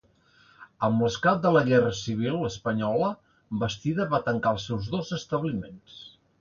Amb l'esclat de la Guerra Civil espanyola Bastida va tancar els seus dos establiments.